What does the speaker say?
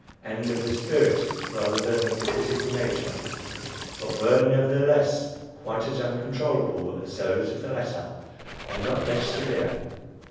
and "of the spirit rather than of the physical nature; but were, nevertheless, quite as uncontrollable as those of the latter, and not less severe."